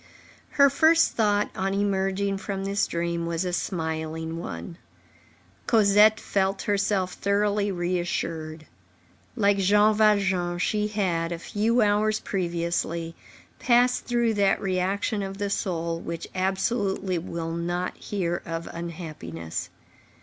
Her first thought on emerging from this dream was a smiling one. Cosette felt herself thoroughly reassured. Like Jean Valjean, she had, a few hours previously, passed through that reaction of the soul which absolutely will not hear of unhappiness.